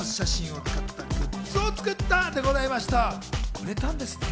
売れたんですね。